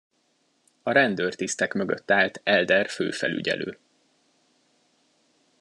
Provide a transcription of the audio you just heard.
A rendőrtisztek mögött állt Elder főfelügyelő.